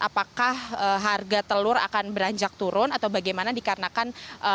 apakah harga telur akan beranjak turun atau bagaimana dikarenakan